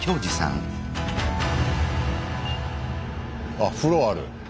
あ風呂ある。